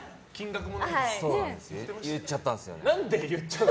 言っちゃったんです。